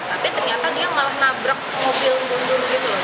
tapi ternyata dia malah nabrak mobil mundur